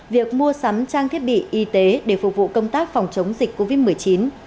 việc mua sắm trang thiết bị y tế để phục vụ công tác phòng chống dịch covid một mươi chín